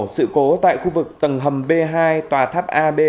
sự cố tại khu vực tầng hầm b hai tòa tháp ab